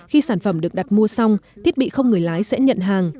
khi sản phẩm được đặt mua xong thiết bị không người lái sẽ nhận hàng